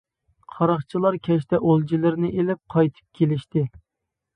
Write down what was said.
قاراقچىلار كەچتە ئولجىلىرىنى ئېلىپ قايتىپ كېلىشتى.